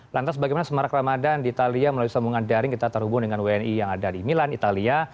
lantas bagaimana semarak ramadan di italia melalui sambungan daring kita terhubung dengan wni yang ada di milan italia